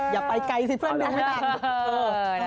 อย่าไปไกลซิเพื่อนหนู